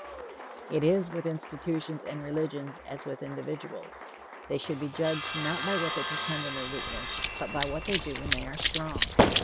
It is with institutions and religions as with individuals they should be judged not by what they pretend in their weakness, but by what they do when they are strong.